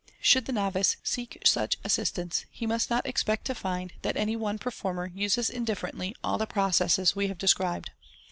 Should the novice seek such assistance, he must not expect to find that any one performer uses indifferently all the processes we have described.